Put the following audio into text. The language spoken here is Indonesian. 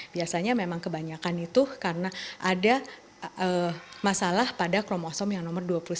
biasanya memang kebanyakan itu karena ada masalah pada kromosom yang nomor dua puluh satu